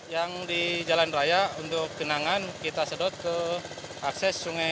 yang di jalan raya untuk kenangan kita sedot ke akses sungai